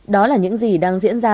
đó là những gì đang diễn ra